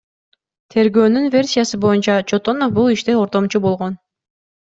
Тергөөнүн версиясы боюнча, Чотонов бул иште ортомчу болгон.